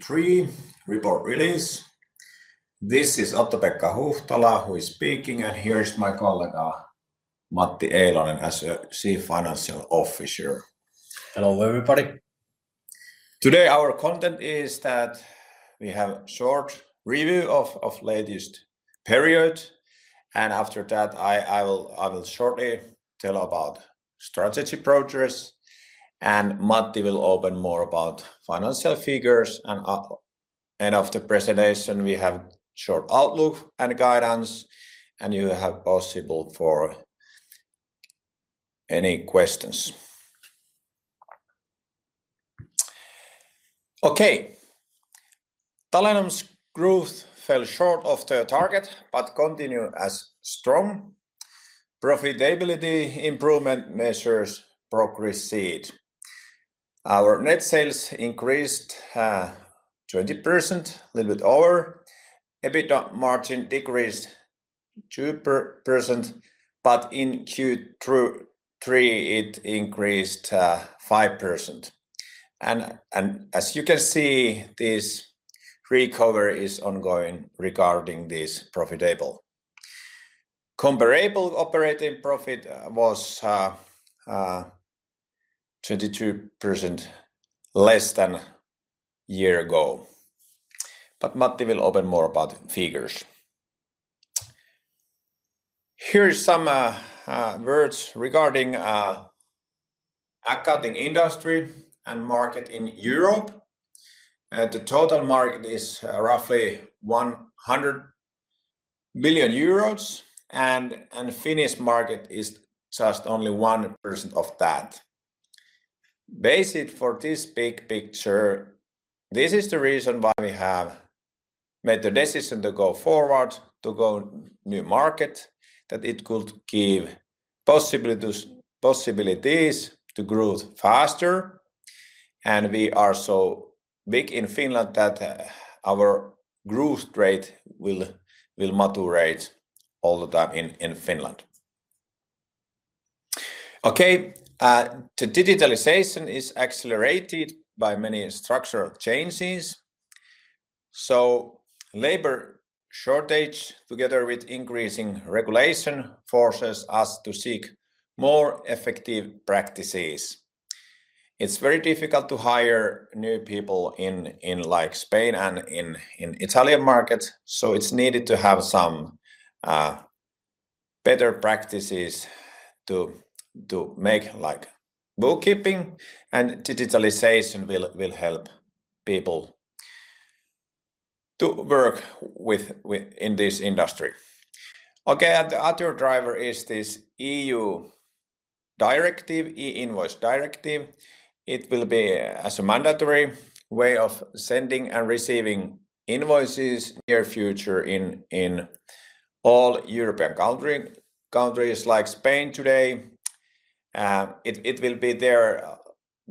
2023, report release. This is Otto-Pekka Huhtala who is speaking, and here is my colleague Matti Eilonen as a Chief Financial Officer. Hello, everybody. Today, our content is that we have short review of latest period, and after that, I will shortly tell about strategy progress, and Matti will open more about financial figures. After presentation, we have short outlook and guidance, and you have possible for any questions. Okay. Talenom's growth fell short of the target, but continued as strong. Profitability improvement measures progressed. Our net sales increased 20%, a little bit over. EBITDA margin decreased 2%, but in Q3, it increased 5%. As you can see, this recovery is ongoing regarding this profitable. Comparable operating profit was 22% less than a year ago, but Matti will open more about figures. Here is some words regarding accounting industry and market in Europe. The total market is roughly 100 billion euros, and Finnish market is just only 1% of that. Basic for this big picture, this is the reason why we have made the decision to go forward, to go new market, that it could give possibilities to grow faster, and we are so big in Finland that our growth rate will moderate all the time in Finland. Okay, the digitalization is accelerated by many structural changes. Labor shortage, together with increasing regulation, forces us to seek more effective practices. It's very difficult to hire new people in like Spain and in Italian markets, so it's needed to have some better practices to make like bookkeeping and digitalization will help people to work with in this industry. Okay, the other driver is this E.U. e-invoice directive. It will be as a mandatory way of sending and receiving invoices near future in all European countries like Spain today. It will be there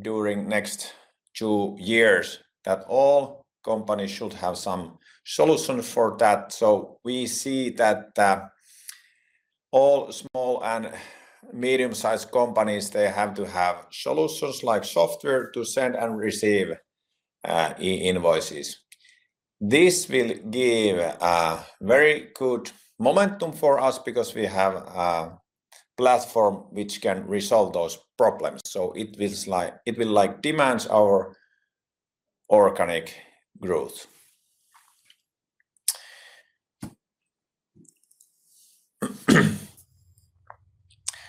during next two years, that all companies should have some solution for that. We see that all small and medium-sized companies, they have to have solutions like software to send and receive e-invoices. This will give very good momentum for us because we have a platform which can resolve those problems. It will, like, demands our organic growth.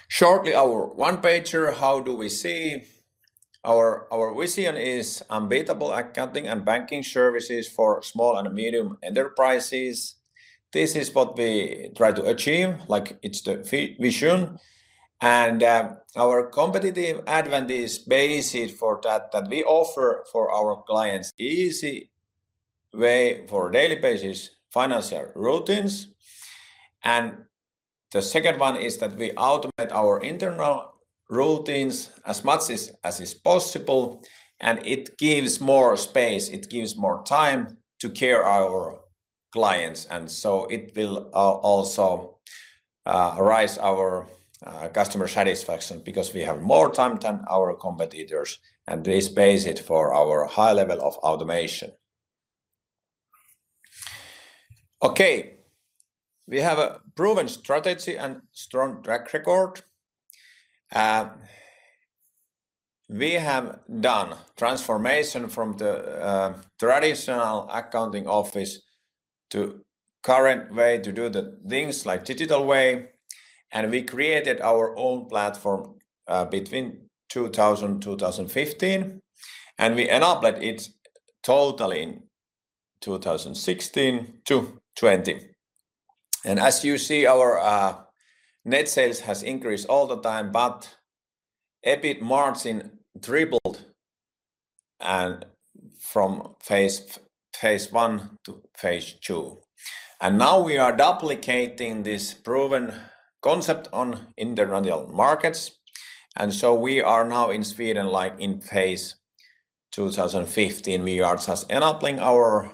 Shortly, our one-pager, how do we see? Our vision is unbeatable accounting and banking services for small and medium enterprises. This is what we try to achieve, like it's the vision. Our competitive advantage is basic for that, that we offer for our clients easy way for daily basis financial routines. The second one is that we automate our internal routines as much as is possible, and it gives more space, it gives more time to care our clients, and so it will also rise our customer satisfaction because we have more time than our competitors, and this pays it for our high level of automation. Okay, we have a proven strategy and strong track record. We have done transformation from the traditional accounting office to current way to do the things like digital way, and we created our own platform between 2000 and 2015, and we enabled it totally in 2016-2020. As you see, our net sales has increased all the time, but EBIT margin tripled, and from phase I to phase II. Now we are duplicating this proven concept on international markets, and so we are now in Sweden, like in phase 2015, we are just enabling our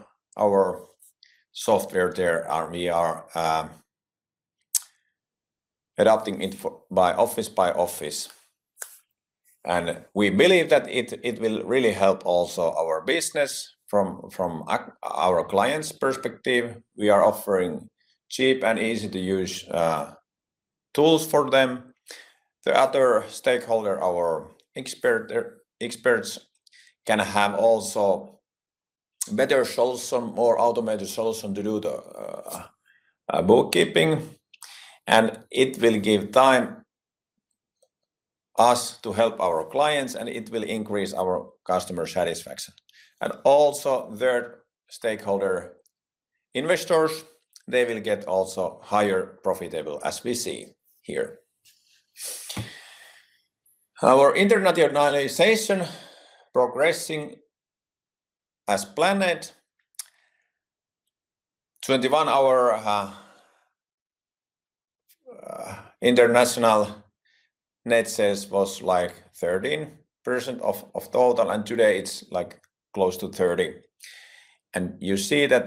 software there, and we are adopting it for by office, by office. We believe that it will really help also our business from our clients' perspective, we are offering cheap and easy-to-use tools for them. The other stakeholder, our experts, can have also better solution, more automated solution to do the bookkeeping, and it will give time us to help our clients, and it will increase our customer satisfaction. Also, third stakeholder, investors, they will get also higher profitable, as we see here. Our internationalization progressing as planned. 2021, our international net sales was like 13% of total, and today it's like close to 30%. You see that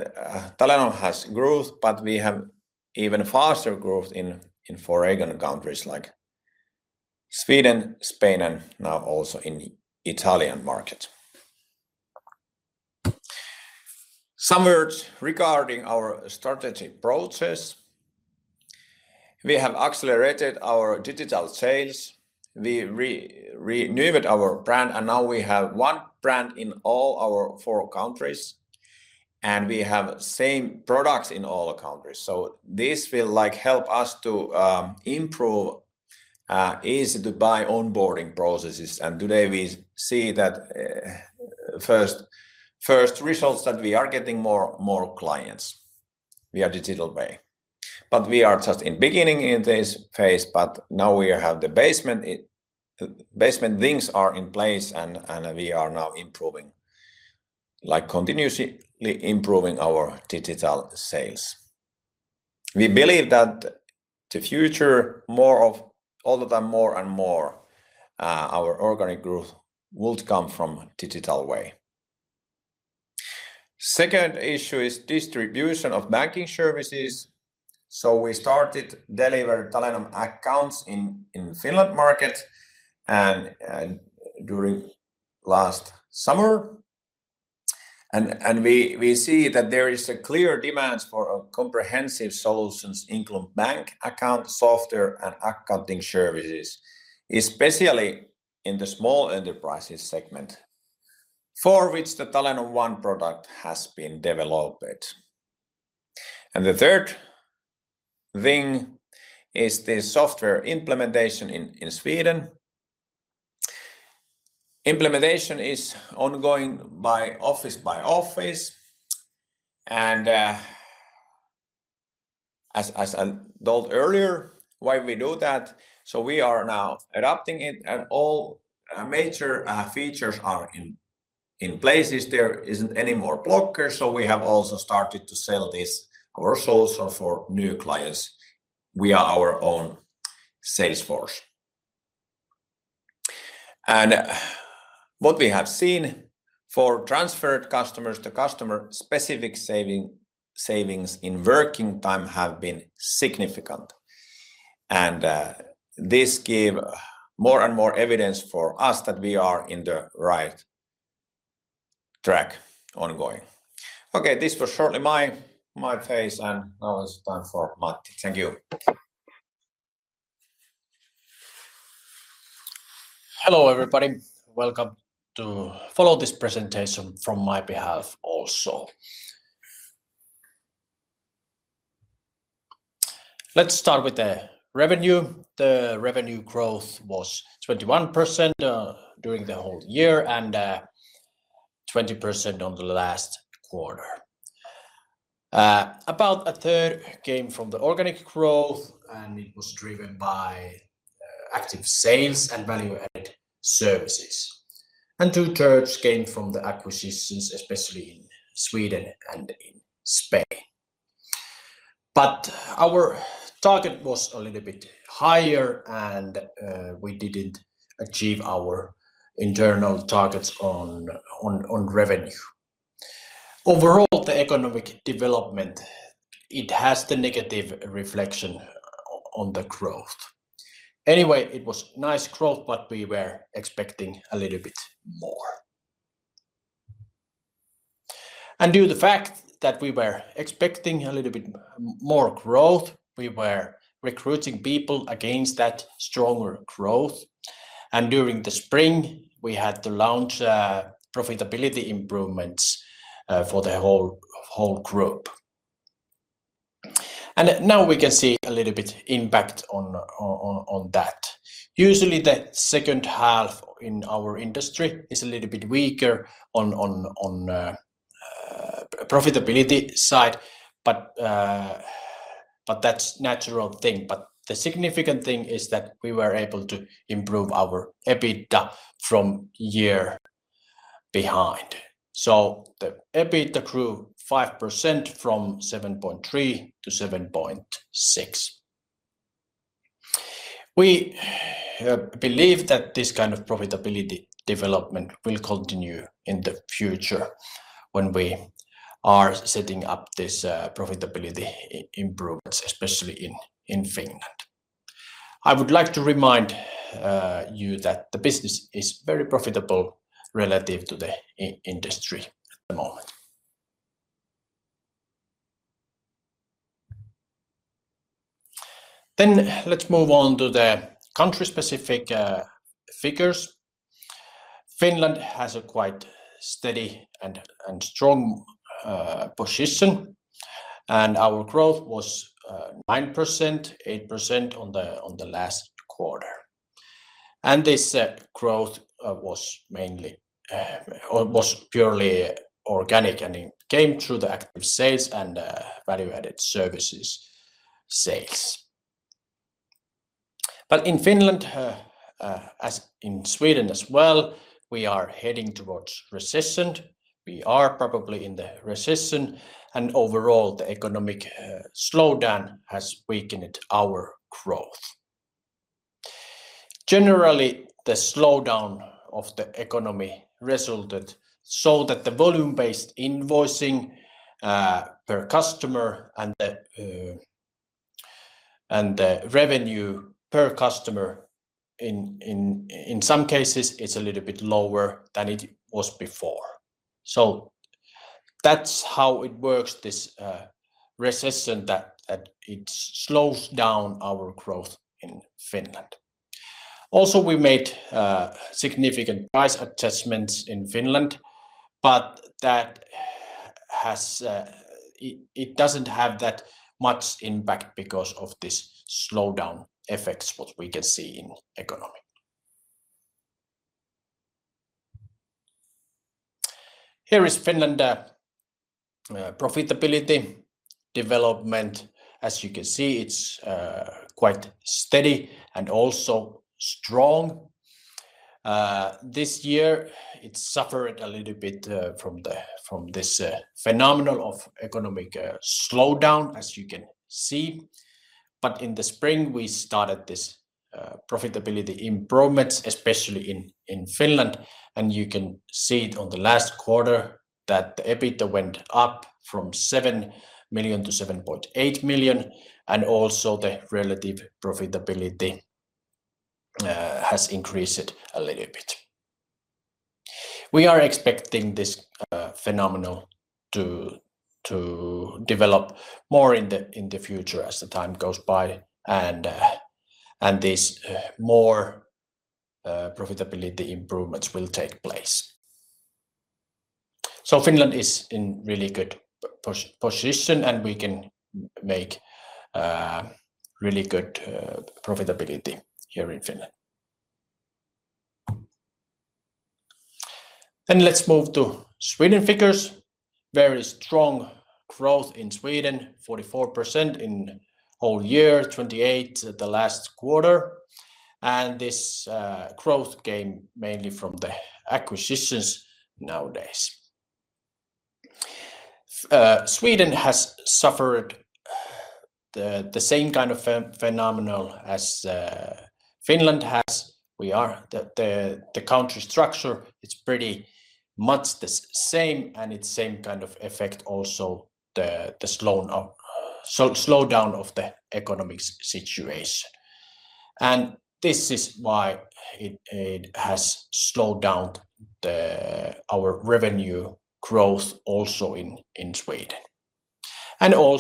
Talenom has growth, but we have even faster growth in foreign countries like Sweden, Spain, and now also in the Italian market. Some words regarding our strategy process. We have accelerated our digital sales. We renewed our brand, and now we have one brand in all our four countries, and we have same products in all countries. This will, like, help us to improve easy-to-buy onboarding processes. Today, we see that first results that we are getting more clients via digital way. We are just in beginning in this phase, but now we have the basement. Basement things are in place, and we are now improving, like continuously improving our digital sales. We believe that the future, all of them, more and more, our organic growth will come from digital way. Second issue is distribution of banking services. We started deliver Talenom Accounts in Finland market during last summer. We see that there is a clear demand for a comprehensive solutions, including bank account software and accounting services, especially in the small enterprises segment, for which the Talenom One product has been developed. The third thing is the software implementation in Sweden. Implementation is ongoing by office by office, and as I told earlier, why we do that. We are now adopting it, and all major features are in places. There isn't any more blockers, so we have also started to sell this ourselves for new clients. We are our own sales force. What we have seen for transferred customers, the customer-specific saving, savings in working time have been significant. This give more and more evidence for us that we are in the right track ongoing. Okay, this was shortly my phase, and now it's time for Matti. Thank you. Hello, everybody. Welcome to follow this presentation from my behalf also. Let's start with the revenue. The revenue growth was 21% during the whole year and 20% on the last quarter. A third came from the organic growth, and it was driven by active sales and value-added services. Two-thirds came from the acquisitions, especially in Sweden and in Spain. Our target was a little bit higher, and we didn't achieve our internal targets on revenue. Overall, the economic development, it has the negative reflection on the growth. Anyway, it was nice growth, but we were expecting a little bit more. Due to the fact that we were expecting a little bit more growth, we were recruiting people against that stronger growth, and during the spring, we had to launch profitability improvements for the whole group. Now we can see a little bit impact on that. Usually, the second half in our industry is a little bit weaker on profitability side, but that's natural thing. The significant thing is that we were able to improve our EBITDA from year behind. The EBITDA grew 5% from 7.3 million to 7.6 million. We believe that this kind of profitability development will continue in the future when we are setting up this profitability improvement, especially in Finland. I would like to remind you that the business is very profitable relative to the industry at the moment. Let's move on to the country-specific figures. Finland has a quite steady and strong position, and our growth was 9%, 8% on the last quarter. This growth was mainly or was purely organic, and it came through the active sales and value-added services sales. In Finland, as in Sweden as well, we are heading towards recession. We are probably in the recession, and overall, the economic slowdown has weakened our growth. Generally, the slowdown of the economy resulted so that the volume-based invoicing per customer and the revenue per customer in some cases, it's a little bit lower than it was before. That's how it works, this recession, that it slows down our growth in Finland. Also, we made significant price adjustments in Finland, but it doesn't have that much impact because of this slowdown effects, what we can see in economy. Here is Finland profitability development. As you can see, it's quite steady and also strong. This year, it suffered a little bit from this phenomenon of economic slowdown, as you can see. In the spring, we started this profitability improvements, especially in Finland, and you can see it on the last quarter that the EBITDA went up from 7 million to 7.8 million, and also the relative profitability has increased a little bit.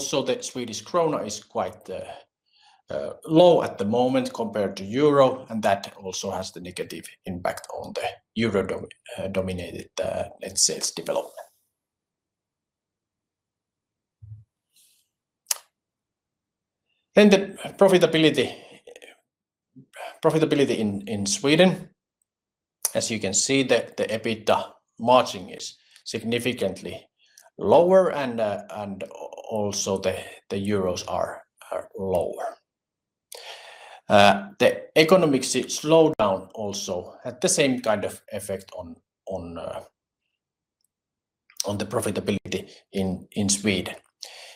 Also the Swedish krona is quite low at the moment compared to euro, and that also has the negative impact on the euro-denominated net sales development. The profitability in Sweden, as you can see, the EBITDA margin is significantly lower, and also the euros are lower. The economic slowdown also had the same kind of effect on the profitability in Sweden.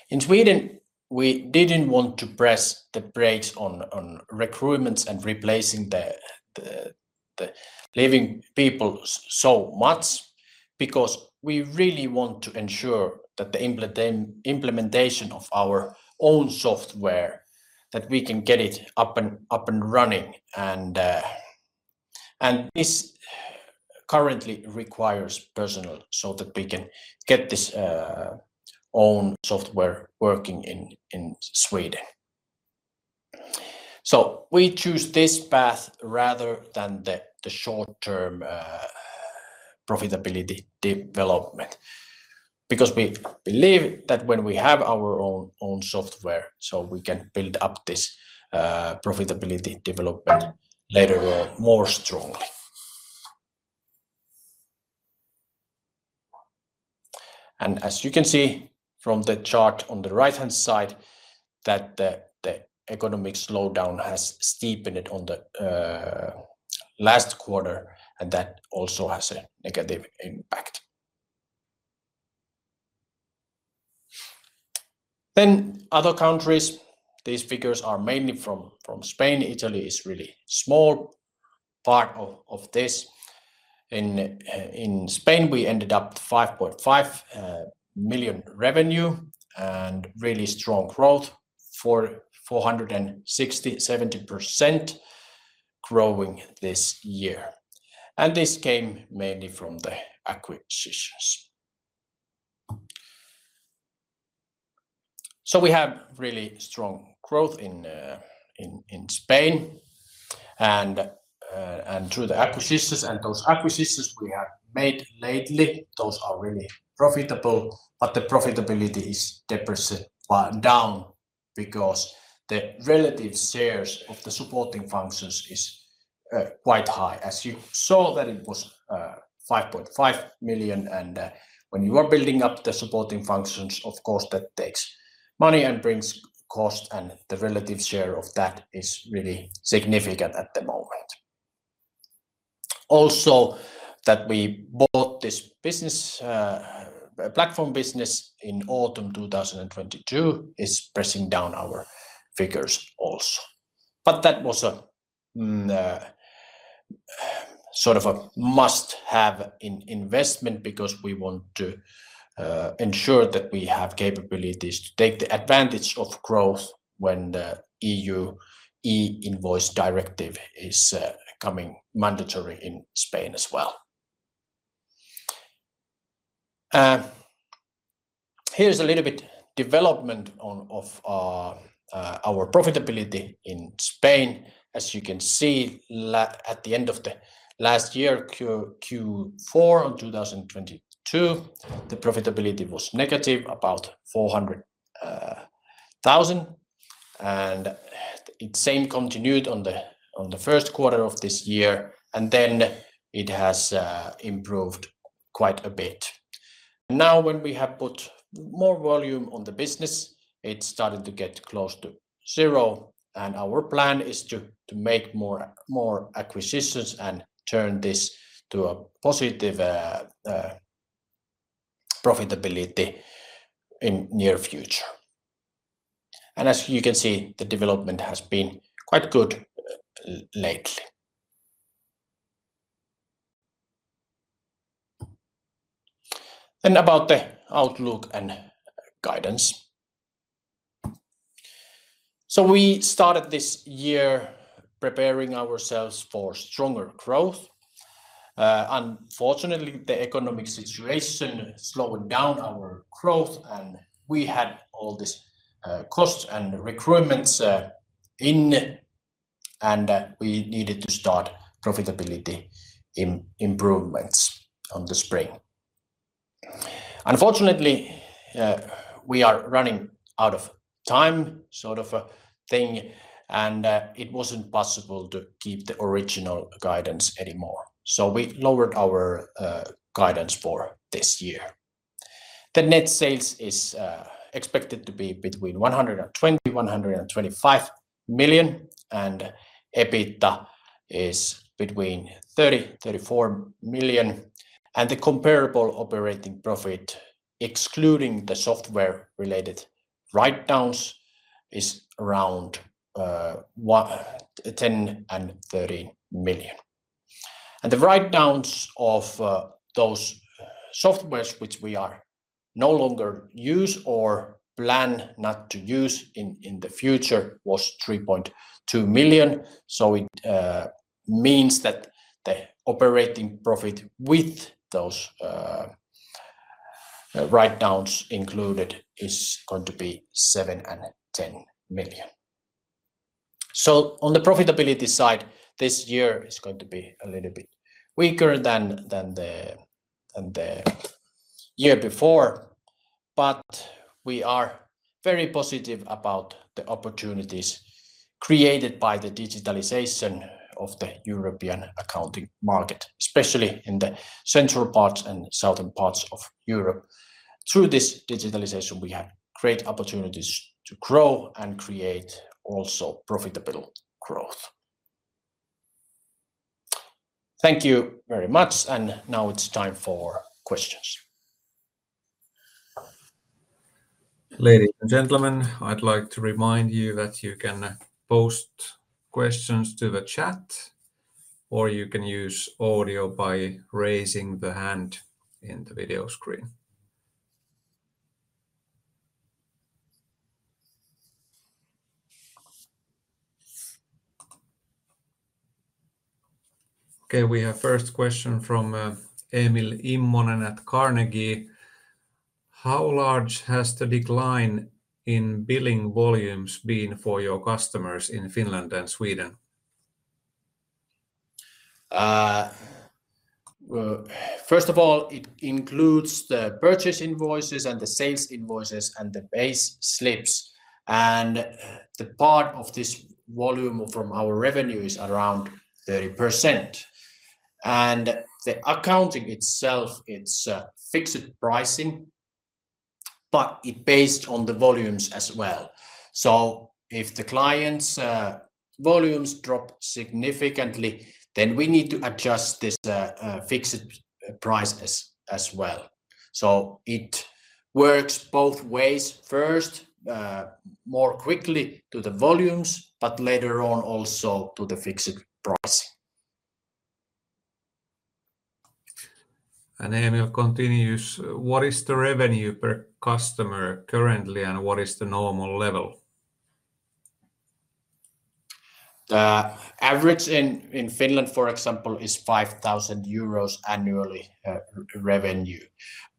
In Sweden, we didn't want to press the brakes on recruitments and replacing the leaving people so much because we really want to ensure that the implementation of our own software, that we can get it up and running. This currently requires personnel so that we can get this own software working in Sweden. We choose this path rather than the short-term profitability development because we believe that when we have our own software, so we can build up this profitability development later on more strongly. As you can see from the chart on the right-hand side, that the economic slowdown has steepened on the last quarter, and that also has a negative. Other countries, these figures are mainly from Spain. Italy is really small part of this. In Spain, we ended up 5.5 million revenue and really strong growth, 460%-470% growing this year. This came mainly from the acquisitions. We have really strong growth in Spain and through the acquisitions. Those acquisitions we have made lately, those are really profitable, but the profitability is depress down because the relative shares of the supporting functions is quite high. As you saw that it was 5.5 million, and when you are building up the supporting functions, of course, that takes money and brings cost, and the relative share of that is really significant at the moment. Also, that we bought this business platform business in autumn 2022 is pressing down our figures also. That was a sort of a must-have investment because we want to ensure that we have capabilities to take the advantage of growth when the EU e-invoicing directive is coming mandatory in Spain as well. Here's a little bit development on, of our profitability in Spain. As you can see, at the end of the last year, Q4 of 2022, the profitability was negative, about 400,000, and the same continued on the, on the first quarter of this year, and then it has improved quite a bit. Now, when we have put more volume on the business, it started to get close to zero euros, and our plan is to, to make more, more acquisitions and turn this to a positive profitability in near future. As you can see, the development has been quite good lately. About the outlook and guidance. We started this year preparing ourselves for stronger growth. Unfortunately, the economic situation slowed down our growth, and we had all this costs and recruitments in, and we needed to start profitability improvements on the spring. Unfortunately, we are running out of time, sort of a thing, and it wasn't possible to keep the original guidance anymore, so we lowered our guidance for this year. The net sales is expected to be between 120 million-125 million, and EBITDA is between 30 million-34 million, and the comparable operating profit, excluding the software-related write-downs, is around 10 million and 13 million. The write-downs of those softwares, which we are no longer use or plan not to use in the future, was 3.2 million. It means that the operating profit with those write-downs included is going to be 7 million-10 million. On the profitability side, this year is going to be a little bit weaker than the year before, but we are very positive about the opportunities created by the digitalization of the European accounting market, especially in the central parts and southern parts of Europe. Through this digitalization, we have great opportunities to grow and create also profitable growth. Thank you very much, and now it's time for questions. Ladies and gentlemen, I'd like to remind you that you can post questions to the chat, or you can use audio by raising the hand in the video screen. Okay, we have first question from Emil Mariov at Carnegie: "How large has the decline in billing volumes been for your customers in Finland and Sweden? Well, first of all, it includes the purchase invoices and the sales invoices and the payslips, and the part of this volume from our revenue is around 30%. The accounting itself, it's fixed pricing, but it based on the volumes as well. If the clients' volumes drop significantly, then we need to adjust this fixed price as well. It works both ways. First, more quickly to the volumes, but later on also to the fixed price. Emil continues: "What is the revenue per customer currently, and what is the normal level? The average in Finland, for example, is 5,000 euros annually revenue.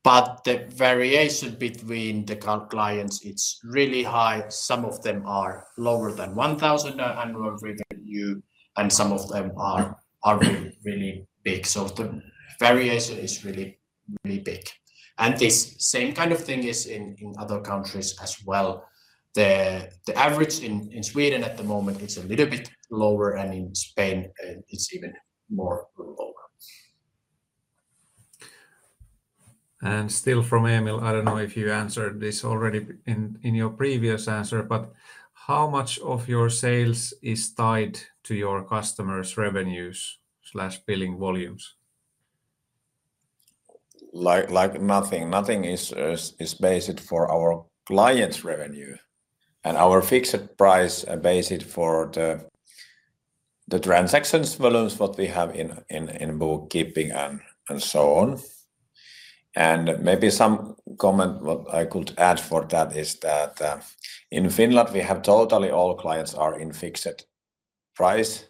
The variation between the clients, it's really high. Some of them are lower than 1,000 annual revenue, and some of them are really, really big. The variation is really, really big. This same kind of thing is in other countries as well. The average in Sweden at the moment is a little bit lower, and in Spain, it's even more lower. Still from Emil, I don't know if you answered this already in your previous answer, but how much of your sales is tied to your customers' revenues slash billing volumes? Like nothing. Nothing is based for our clients' revenue, and our fixed price is based for the transactions volumes what we have in bookkeeping and so on. Maybe some comment what I could add for that is that in Finland, we have totally all clients are in fixed price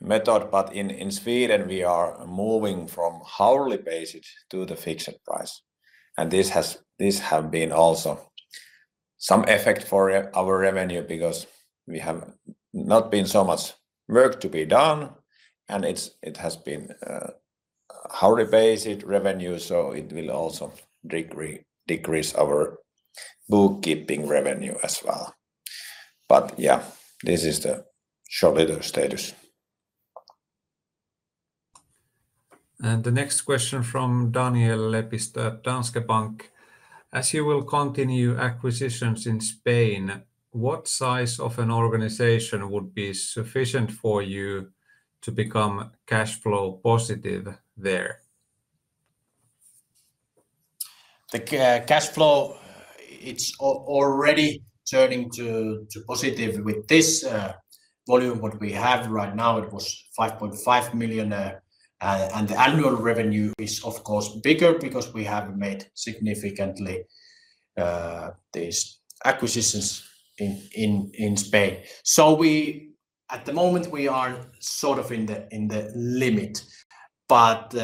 method. In Sweden, we are moving from hourly basis to the fixed price, and this have been also some effect for our revenue because we have not been so much work to be done, and it has been hourly basic revenue, so it will also decrease our bookkeeping revenue as well. Yeah, this is the shortly the status. The next question from Daniel Lepistö from Danske Bank: "As you will continue acquisitions in Spain, what size of an organization would be sufficient for you to become cash flow positive there? The cash flow, it's already turning to positive with this volume what we have right now. It was 5.5 million, and the annual revenue is, of course, bigger because we have made significantly these acquisitions in Spain. At the moment, we are sort of in the limit, but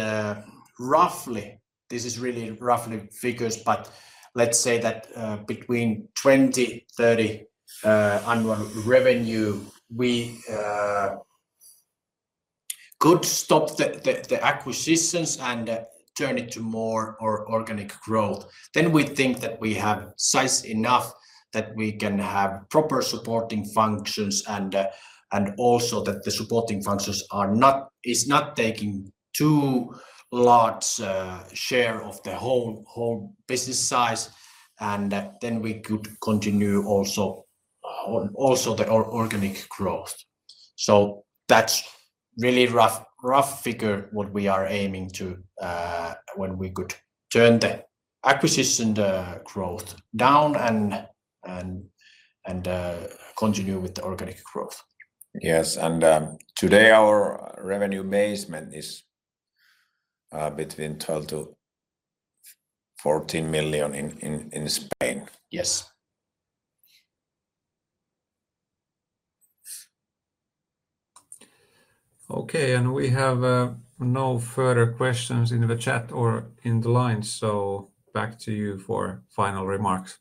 roughly, this is really roughly figures, but let's say that between 20-30 annual revenue, we could stop the acquisitions and turn it to more organic growth. Then we think that we have size enough that we can have proper supporting functions and also that the supporting functions is not taking too large share of the whole business size, and then we could continue also the organic growth. That's really rough, rough figure what we are aiming to when we could turn the acquisition growth down and continue with the organic growth. Yes, today our revenue basement is between 12 million-14 million in Spain. Yes. Okay, and we have no further questions in the chat or in the line, so back to you for final remarks.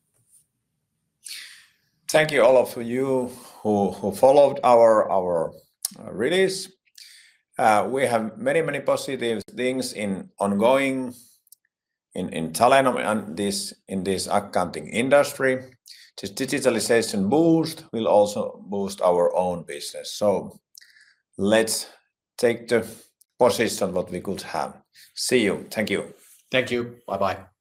Thank you, all of you who followed our release. We have many, many positive things ongoing in Talenom and in this accounting industry. This digitalization boost will also boost our own business. Let's take the position what we could have. See you. Thank you. Thank you. Bye-bye.